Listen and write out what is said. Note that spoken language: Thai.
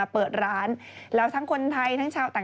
พี่คะรางวัลที่๑พุ่งมาเถอะค่ะ